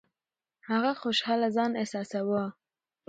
هغه خوشاله ځان احساساوه.